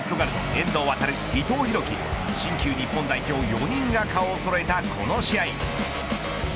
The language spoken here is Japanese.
遠藤航伊藤洋輝新旧日本代表４人が顔をそろえたこの試合。